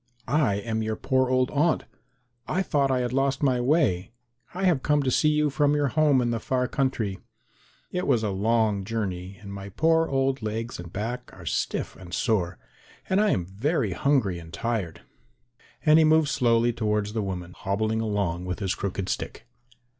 I am your poor old aunt. I thought I had lost my way. I have come to see you from your home in the far country. It was a long journey and my poor old legs and back are stiff and sore, and I am very hungry and tired;" and he moved slowly towards the woman, hobbling along with his crooked stick.